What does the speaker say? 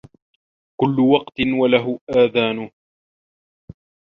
كل وقت وله أذانه.